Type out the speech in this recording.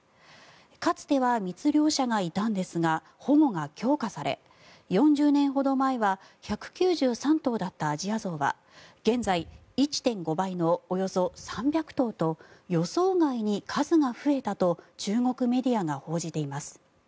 かつては密猟者がいたんですが保護が強化され、４０年ほど前は１９３頭だったアジアゾウは現在１．５倍のおよそ３００頭と予想外に数が増えたと中国メディアが報じています。